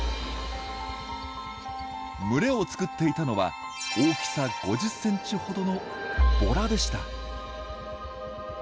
群れを作っていたのは大きさ５０センチほどのボラでした。